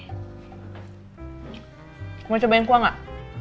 mau cobain kuah gak